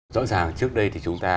rõ ràng trước đây thì chúng ta